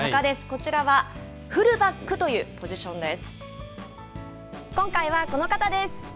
こちらはフルバックというポジションです。